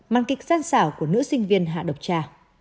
màn kịch gian xảo của nữ sinh viên hạ độc cha